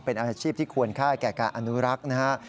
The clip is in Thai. เป็นอาชีพที่ควรค่าแก่การอนุรักษ์นะฮะ